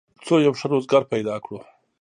څو یو ښه روزګار پیدا کړو